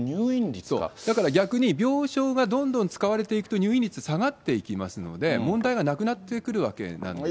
だから逆に、病床がどんどん使われていくと、入院率下がっていきますので、問題がなくなってくるわけなんですよ。